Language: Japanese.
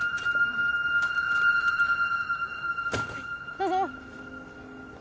どうぞ。